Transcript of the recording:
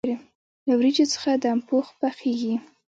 له وریجو څخه دم پخ پخیږي.